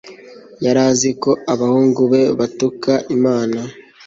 yari azi ko abahungu be batuka imana